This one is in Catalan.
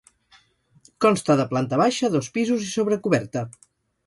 Consta de planta baixa, dos pisos i sobrecoberta.